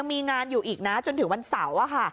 มีงานอยู่อีกนะจนถึงวันเสาร์ค่ะ